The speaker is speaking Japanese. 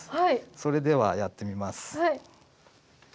それではやってみます。